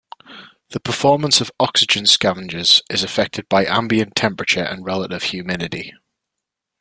The performance of oxygen scavengers is affected by ambient temperature and relative humidity.